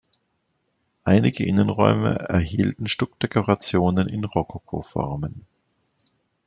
Einige Innenräume erhielten Stuckdekorationen in Rokokoformen.